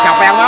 siapa yang mau